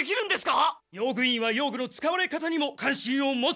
用具委員は用具の使われ方にも関心を持つ！